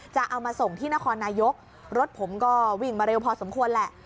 จะเอามาส่งที่นครนายกรถผมก็วิ่งมาเร็วพอสมควรแหละ